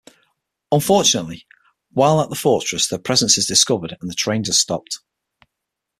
Unfortunately, while at the fortress their presence is discovered and the trains are stopped.